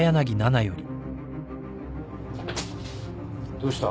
どうした？